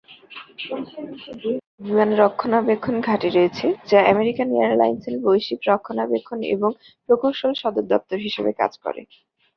তুলসায় বিশ্বের বৃহত্তম বিমান রক্ষণাবেক্ষণ ঘাঁটি রয়েছে, যা আমেরিকান এয়ারলাইন্সের বৈশ্বিক রক্ষণাবেক্ষণ এবং প্রকৌশল সদর দফতর হিসাবে কাজ করে।